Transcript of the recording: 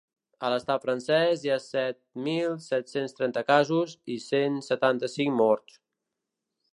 A l’estat francès hi ha set mil set-cents trenta casos i cent setanta-cinc morts.